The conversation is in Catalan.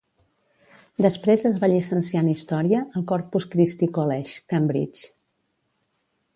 Després es va llicenciar en història al Corpus Christi College, Cambridge.